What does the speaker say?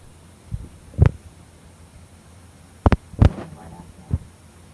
It can also be asymptomatic.